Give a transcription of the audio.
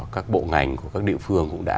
các bộ ngành của các địa phương cũng đã